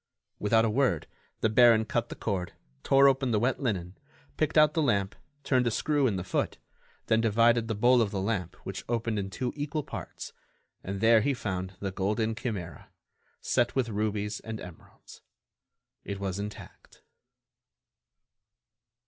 Without a word, the baron cut the cord, tore open the wet linen, picked out the lamp, turned a screw in the foot, then divided the bowl of the lamp which opened in two equal parts and there he found the golden chimera, set with rubies and emeralds. It was intact.